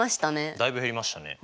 だいぶ減りましたね。